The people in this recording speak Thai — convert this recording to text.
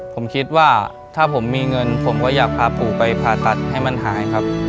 ผมคิดว่าถ้าผมมีเงินผมก็อยากพาปู่ไปผ่าตัดให้มันหายครับ